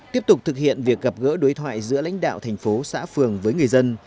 tiếp tục thực hiện việc gặp gỡ đối thoại giữa lãnh đạo thành phố xã phường với người dân